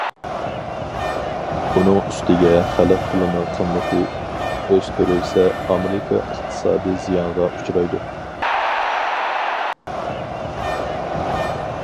ئۇنىڭ ئۈستىگە، خەلق پۇلىنىڭ قىممىتى ئۆستۈرۈلسە، ئامېرىكا ئىقتىسادى زىيانغا ئۇچرايدۇ.